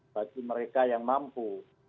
bagi mereka yang mampu